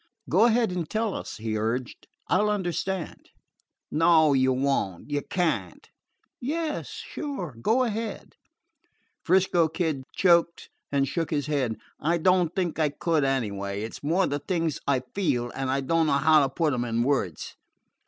"Go ahead and tell us," he urged. "I 'll understand." "No, you won't. You can't." "Yes, sure. Go ahead." 'Frisco Kid choked and shook his head. "I don't think I could, anyway. It 's more the things I feel, and I don't know how to put them in words."